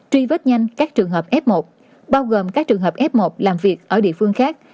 truy vết nhanh các trường hợp f một bao gồm các trường hợp f một làm việc ở địa phương khác